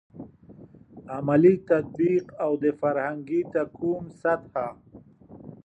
عملي تطبیق او د فرهنګي تکون سطحه.